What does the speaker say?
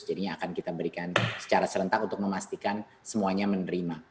jadinya akan kita berikan secara serentak untuk memastikan semuanya menerima